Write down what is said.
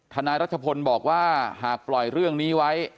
นายรัชพลบอกว่าหากปล่อยเรื่องนี้ไว้